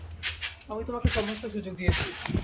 আমি তোমাকে সমস্ত সুযোগ দিয়েছি।